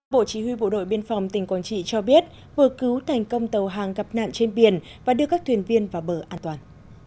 bộ chỉ huy bộ đội biên phòng tỉnh quảng trị cho biết vừa cứu thành công tàu hàng gặp nạn trên biển và đưa các thuyền viên vào bờ an toàn